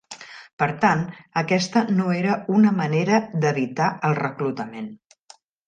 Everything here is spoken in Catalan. Per tant, aquesta no era una manera d'evitar el reclutament.